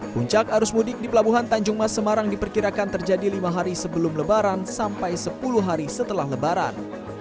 puncak arus mudik di pelabuhan tanjung mas semarang diperkirakan terjadi lima hari sebelum lebaran sampai sepuluh hari setelah lebaran